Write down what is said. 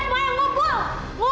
ngumpul di tengah cepetan ngumpul